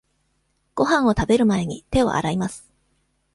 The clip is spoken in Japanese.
ごはんを食べる前に、手を洗います。